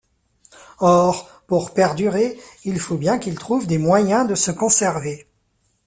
Or, pour perdurer, il faut bien qu'il trouve des moyens de se conserver.